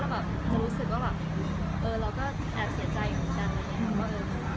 แล้วเราก็จะรู้สึกว่าเราก็แอบเสียใจอยู่กัน